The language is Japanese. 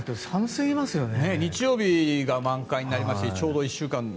先週日曜日が満開になりましてちょうど１週間。